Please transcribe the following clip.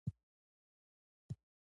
ساندرز وویل، سېمه، له خیره درځئ.